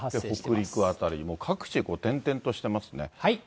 北陸辺りも各地で点々としてますね。